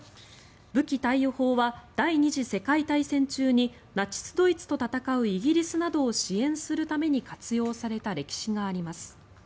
武器貸与法は第２次世界大戦中にナチス・ドイツと戦うイギリスなどを支援するために活用された歴史があります。